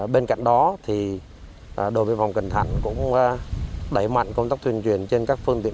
bên cạnh đó thì đội biên phòng cần thạnh cũng đẩy mạnh công tác tuyên truyền trên các phương tiện